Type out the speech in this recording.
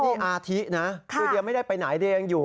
นี่อาทินะคือเดียไม่ได้ไปไหนเดียยังอยู่